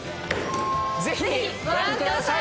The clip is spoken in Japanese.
ぜひご覧ください！